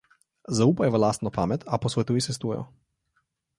Zaupaj v lastno pamet, a posvetuj se s tujo.